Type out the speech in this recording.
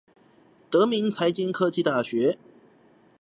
德明財經科技大學